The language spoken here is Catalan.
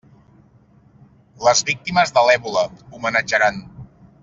Les víctimes de l'èbola, homenatjaran!